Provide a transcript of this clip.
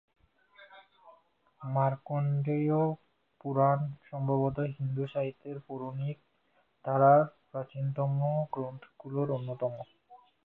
মার্কণ্ডেয় পুরাণ সম্ভবত হিন্দু সাহিত্যের পৌরাণিক ধারার প্রাচীনতম গ্রন্থগুলির অন্যতম।